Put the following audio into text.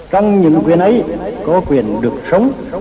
trong những quyền ấy có quyền được sống